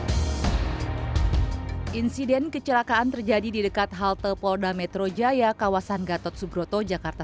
hai insiden kecelakaan terjadi di dekat halte polda metro jaya kawasan gatot subroto jakarta